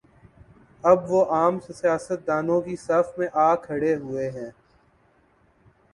اب وہ عام سیاست دانوں کی صف میں آ کھڑے ہوئے تھے۔